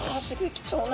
貴重な。